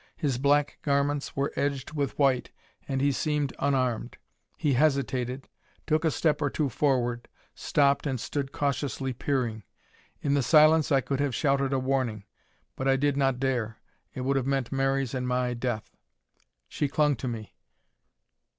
His black garments were edged with white, and he seemed unarmed. He hesitated, took a step or two forward, stopped and stood cautiously peering. In the silence I could have shouted a warning. But I did not dare. It would have meant Mary's and my death. She clung to me.